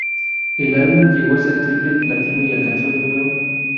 El álbum llegó a ser triple platino y alcanzó el No.